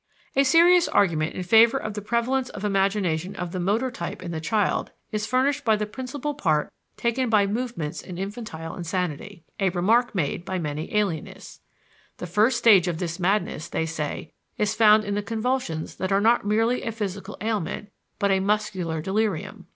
A serious argument in favor of the prevalence of imagination of the motor type in the child is furnished by the principal part taken by movements in infantile insanity: a remark made by many alienists. The first stage of this madness, they say, is found in the convulsions that are not merely a physical ailment, but "a muscular delirium."